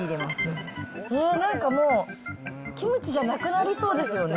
なんかもう、キムチじゃなくなりそうですよね。